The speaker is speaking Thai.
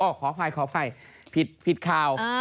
อ้อขออภัยผิดข่าว